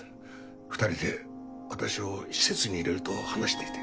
２人で私を施設に入れると話していて。